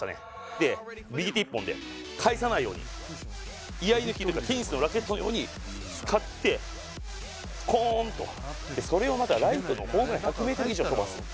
で、右手一本で返さないように居合抜き、テニスのラケットのように使って、コーンと、それをまたライトにホームラン、１００ｍ以上飛ばす。